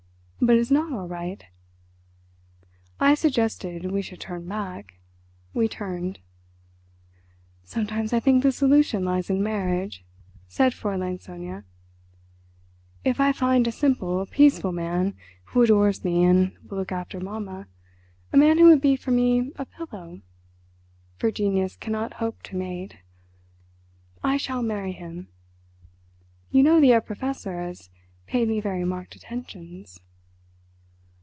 "But it is not all right!" I suggested we should turn back. We turned. "Sometimes I think the solution lies in marriage," said Fräulein Sonia. "If I find a simple, peaceful man who adores me and will look after mamma—a man who would be for me a pillow—for genius cannot hope to mate—I shall marry him.... You know the Herr Professor has paid me very marked attentions."